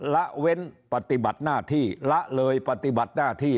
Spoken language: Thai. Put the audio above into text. ละเว้นปฏิบัติหน้าที่ละเลยปฏิบัติหน้าที่